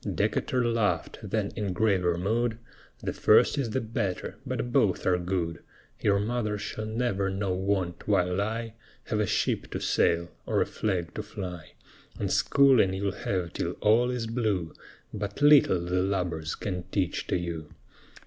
Decatur laughed; then in graver mood: "The first is the better, but both are good. Your mother shall never know want while I Have a ship to sail, or a flag to fly; And schooling you'll have till all is blue, But little the lubbers can teach to you."